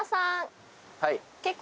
結構